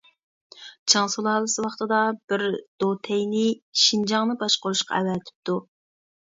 چىڭ سۇلالىسى ۋاقتىدا بىر دوتەينى شىنجاڭنى باشقۇرۇشقا ئەۋەتىپتۇ.